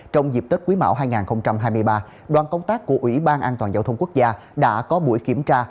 trong dịp tết quý mão hai nghìn hai mươi ba đoàn công tác của ủy ban an toàn giao thông quốc gia